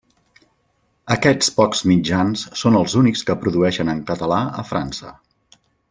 Aquests pocs mitjans són els únics que produeixen en català a França.